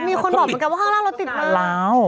มีคนบอกเหมือนกันว่าข้างล่างรถติดแล้ว